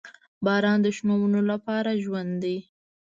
• باران د شنو ونو لپاره ژوند دی.